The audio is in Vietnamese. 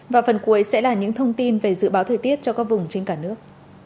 và phần cuối sẽ là những thông tin về dự báo thời tiết cho các vùng trên cả nước